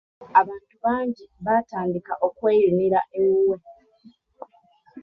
Abantu bangi baatandika okweyunira ewuwe.